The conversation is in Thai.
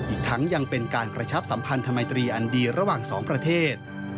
อีกทั้งยังเป็นการกระชับสัมพันธมิตรีอันดีระหว่างสองประเทศ